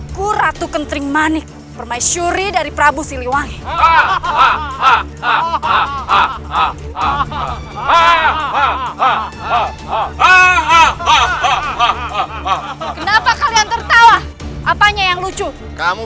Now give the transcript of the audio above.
berani sembarangan pemerintah mau mampir kamu